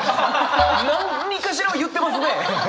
何かしらは言ってますね！